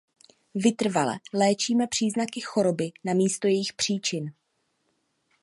Vytrvale léčíme příznaky choroby namísto jejích příčin.